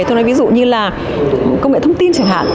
tôi nói ví dụ như là công nghệ thông tin chẳng hạn